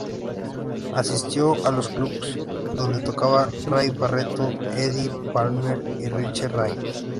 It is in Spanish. Asistió a los clubes donde tocaban Ray Barretto, Eddie Palmieri y Richie Ray.